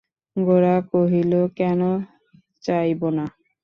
গোরা কহিল, কেন চাইব না?